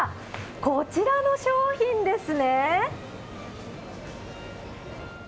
こちらの商品ですね。